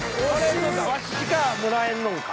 ワシしかもらえんのんか？